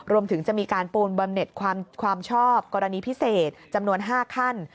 รวมถึงจะมีการปูนบำเน็ตความชอบกรณีพิเศษจำนวน๕ขั้น